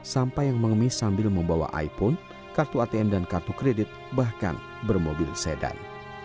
sampah yang mengemis sambil membawa iphone kartu atm dan kartu kredit bahkan bermobil sedan